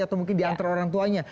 atau mungkin di antara orang tuanya